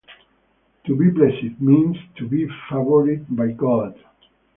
"To be blessed" means 'to be favored by God'.